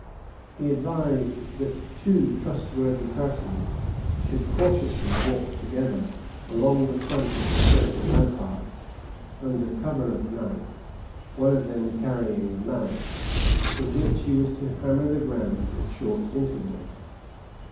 He advised that two trustworthy persons should cautiously walk together along the front of the French ramparts under cover of night, one of them carrying a mallet, with which he was to hammer the ground at short intervals.